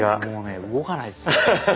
もうね動かないですよ。